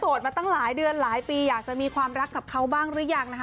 มาตั้งหลายเดือนหลายปีอยากจะมีความรักกับเขาบ้างหรือยังนะคะ